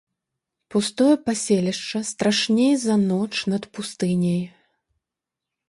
Пустое паселішча страшней за ноч над пустыняй.